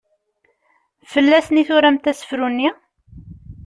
Fell-asen i turamt asefru-nni?